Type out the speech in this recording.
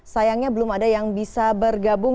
sayangnya belum ada yang bisa bergabung